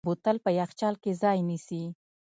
بوتل په یخچال کې ځای نیسي.